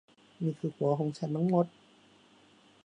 นี่คือหัวของฉันทั้งหมด